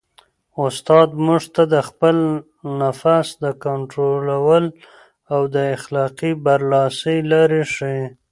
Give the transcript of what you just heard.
استاد موږ ته د خپل نفس د کنټرول او د اخلاقي برلاسۍ لارې ښيي.